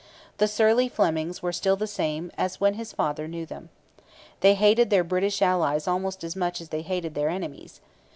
The surly Flemings were still the same as when his father knew them. They hated their British allies almost as much as they hated their enemies.